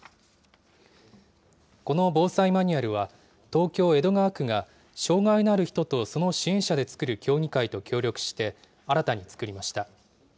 この防災マニュアルは、東京・江戸川区が、障害のある人とその支援者で作る協議会と協力して、新たに作りました。